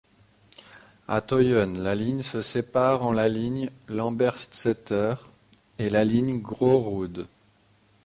A Tøyen, la ligne se sépare en la ligne Lambertseter et la ligne Grorud.